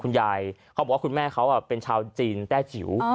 เขาบอกว่าคุณแม่เขาเป็นชาวจีนแต้จิ๋ว